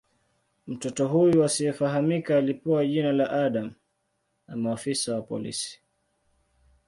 Mtoto huyu asiyefahamika alipewa jina la "Adam" na maafisa wa polisi.